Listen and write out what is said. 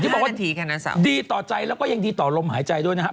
บอกว่าดีต่อใจแล้วก็ยังดีต่อลมหายใจด้วยนะครับ